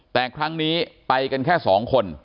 แต่ครั้งนี้ไปกันแค่๒คน